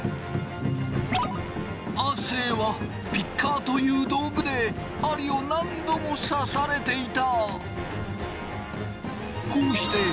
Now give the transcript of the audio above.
亜生はピッカーという道具で針を何度も刺されていた！